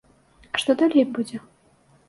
А што далей будзе?